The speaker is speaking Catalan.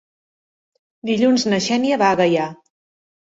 Dilluns na Xènia va a Gaià.